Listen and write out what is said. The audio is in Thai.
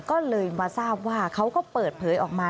ก็เลยมาทราบว่าเขาก็เปิดเผยออกมา